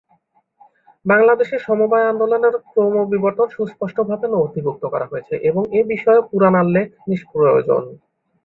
বাংলাদেশে সমবায় আন্দোলনের ক্রমবিবর্তন সুস্পষ্টভাবে নথিভুক্ত করা হয়েছে এবং এ বিষয়ে পুরানাল্লেখ নিষ্প্রয়োজন।